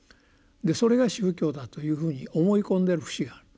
それが宗教だというふうに思い込んでる節がある。